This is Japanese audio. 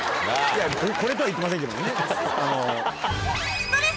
これとは言ってませんけどもね。